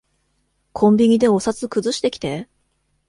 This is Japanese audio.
コンビニでお札くずしてきて。